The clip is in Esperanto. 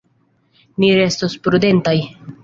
Ni restos prudentaj.